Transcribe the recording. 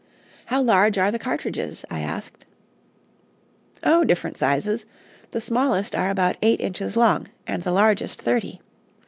"How large are the cartridges?" I asked. "Oh, different sizes. The smallest are about eight inches long, and the largest thirty.